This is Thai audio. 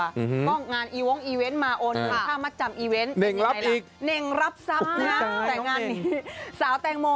กองงานอีวงอีเวนต์มาอ่นนิ่งรับอีกนิ่งรับทรัพย์นะแต่งานนี้สาวแต่งโม